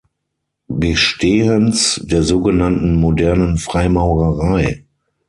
Bestehens der sogenannten modernen Freimaurerei.